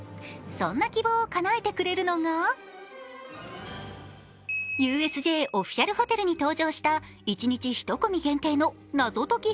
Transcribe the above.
そんな希望をかなえてくれるのがＵＳＪオフィシャルホテルに登場した一日１組限定の謎解き